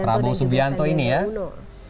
prabowo subianto dan juga sandi auno